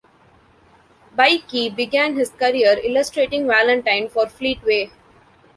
Baikie began his career illustrating Valentine for Fleetway.